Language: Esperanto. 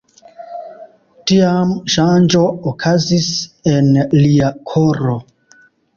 Tiam ŝanĝo okazis en lia koro.